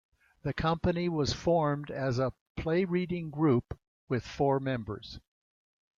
The Company was formed as a 'play-reading group' with four members.